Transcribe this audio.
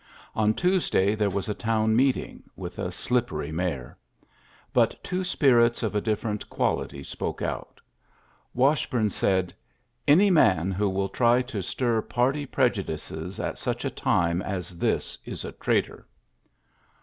On '. day there was a town meeting, w: slippery mayor. But two spirits different quality spoke out. V bume said, " Any man who will ti stir party prejudices at such a tii this is a traitor."